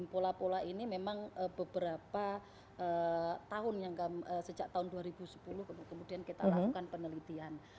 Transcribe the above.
pola pola ini memang beberapa tahun yang sejak tahun dua ribu sepuluh kemudian kita lakukan penelitian